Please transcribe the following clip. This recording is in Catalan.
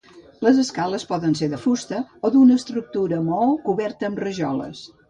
Les escales poden ser de fusta o d'una estructura maó coberta amb rajoles.